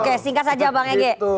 oke singkat saja bang ege